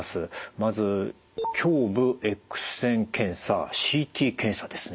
まず胸部エックス線検査ＣＴ検査ですね。